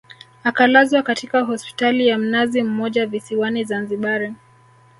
akalazwa katika hospitali ya mnazi mmoja visiwani Zanzibari